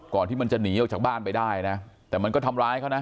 ที่มันจะหนีออกจากบ้านไปได้นะแต่มันก็ทำร้ายเขานะ